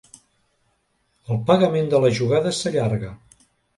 El pagament de la jugada s'allarga.